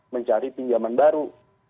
mencari pinjaman baru